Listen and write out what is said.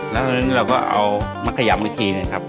แล้วเราก็เอามาขยำอีกทีนะครับ